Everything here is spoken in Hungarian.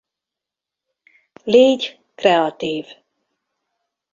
Légy kreatív.